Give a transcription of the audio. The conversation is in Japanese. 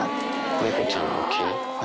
猫ちゃんの毛。